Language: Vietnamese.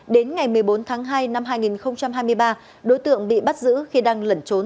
đến ngày một mươi bốn tháng hai năm hai nghìn hai mươi ba đối tượng bị bắt giữ khi đang lẩn trốn